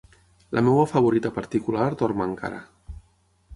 La meva favorita particular dorm encara.